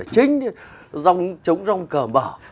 trống rong cờ bỏ